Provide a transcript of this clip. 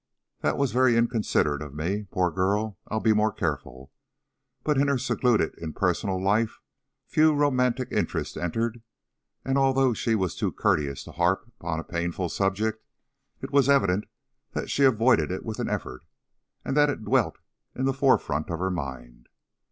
"That was very inconsiderate of me. Poor girl, I'll be more careful." But in her secluded impersonal life few romantic interests entered, and although she was too courteous to harp upon a painful subject, it was evident that she avoided it with an effort, and that it dwelt in the forefront of her mind.